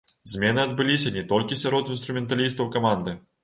Змены адбыліся не толькі сярод інструменталістаў каманды.